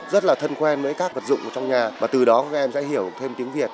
rất là thân quen với các vật dụng trong nhà và từ đó các em sẽ hiểu thêm tiếng việt